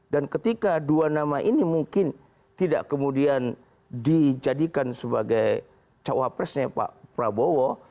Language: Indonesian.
dan ketika dua nama ini mungkin tidak kemudian dijadikan sebagai cawapersi pak prabowo